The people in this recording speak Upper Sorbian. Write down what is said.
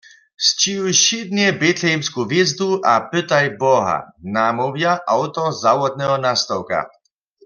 Sćěhuj wšědnje Betlehemsku hwězdu a pytaj Boha, namołwja awtor zawodneho nastawka.